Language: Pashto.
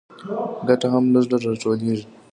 ګټه هم لږ لږ راټولېږي